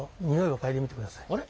あれ？